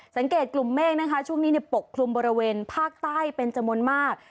สังเกตกลุ่มเมฆนะคะช่วงนี้ปกคลุมบริเวณภาคใต้เป็นจำนวนมาก